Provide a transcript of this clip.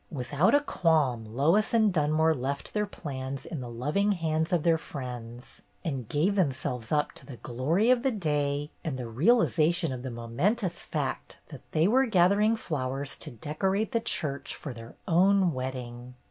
Without a qualm, Lois and Dunmore left their plans in the loving hands of their friends, and gave themselves up to the glory of the day and the realization of the momentous fact that they were gathering flowers to decorate the church for their own wedding!